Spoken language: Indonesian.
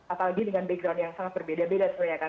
apalagi dengan background yang sangat berbeda beda sebenarnya kan